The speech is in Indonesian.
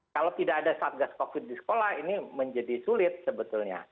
kalau tidak ada satgas covid di sekolah ini menjadi sulit sebetulnya